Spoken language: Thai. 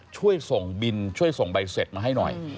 ช่วยส่งบินช่วยส่งใบเสร็จมาให้หน่อย